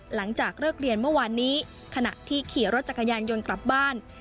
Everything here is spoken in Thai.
หลังจากเลิกเรียนเมื่อวานนี้ขณะที่ขี่รถจักรยานยนต์กลับบ้าน